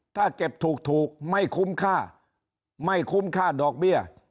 ถ้าเก็บถูกไม่คุ้มค่าไม่คุ้มค่าดอกเบี้ย